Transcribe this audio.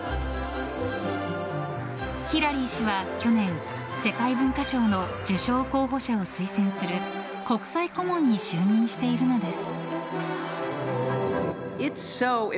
ヒラリー氏は去年、世界文化賞の受賞候補者を推薦する国際顧問に就任しているのです。